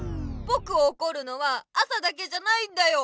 ぼくをおこるのは朝だけじゃないんだよ。